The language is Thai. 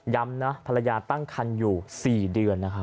ย้ำนะภรรยาตั้งครรภ์อยู่๔เดือนนะครับ